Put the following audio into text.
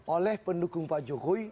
oleh pendukung pak jokowi